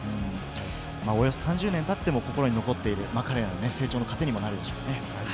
およそ３０年経っても心に残っている、成長の糧にもなるでしょうね。